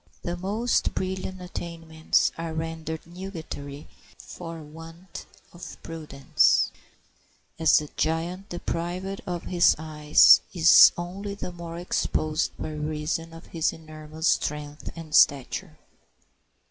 The most brilliant attainments are rendered nugatory for want of prudence, as the giant deprived of his eyes is only the more exposed by reason of his enormous strength and stature.